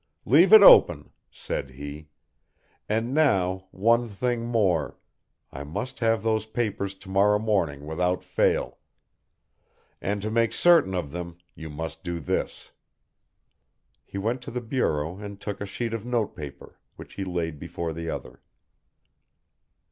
"Leave it open," said he, "and now one thing more, I must have those papers to morrow morning without fail. And to make certain of them you must do this." He went to the bureau and took a sheet of note paper, which he laid before the other.